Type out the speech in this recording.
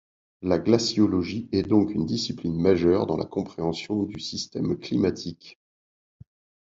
La glaciologie est donc une discipline majeure dans la compréhension du système climatique.